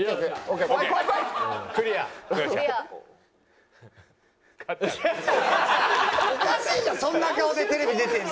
おかしいじゃんそんな顔でテレビ出てるの。